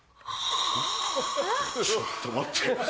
ちょっと待ってくれよ。